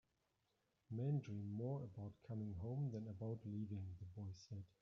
"Men dream more about coming home than about leaving," the boy said.